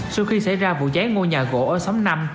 sau khi xảy ra vụ cháy ngôi nhà gỗ ở xóm năm